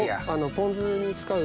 ポン酢に使う。